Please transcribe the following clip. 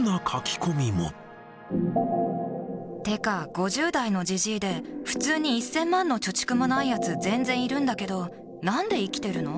てか５０代のじじいで、普通に１０００万の貯蓄もないやつ、全然いるんだけど、なんで生きてるの？